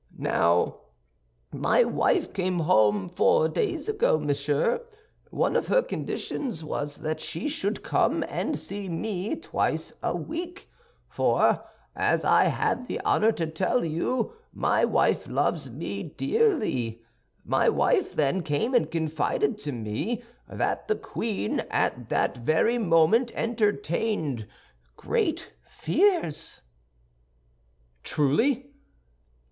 "Now, my wife came home four days ago, monsieur. One of her conditions was that she should come and see me twice a week; for, as I had the honor to tell you, my wife loves me dearly—my wife, then, came and confided to me that the queen at that very moment entertained great fears." "Truly!"